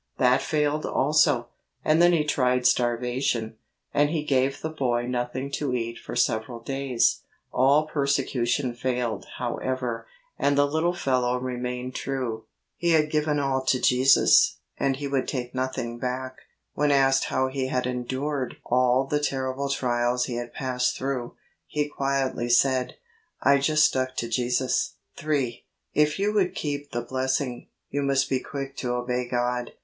That failed also, and then he tried starvation, and he gave the boy nothing to eat for several days. All persecution failed, however, and the little fellow remained true. He had 62 THE WAY OF HOLINESS given all to Jesus, and he would take nothing back. When asked how he had endured all the terrible trials he had passed through, he quietly said, ' I just stuck to Jesus.' 3. If you would keep the blessing, you must be quick to obey God.